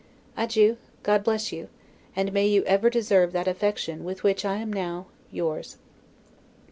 Adieu! God bless you! and may you ever deserve that affection with which I am now, Yours.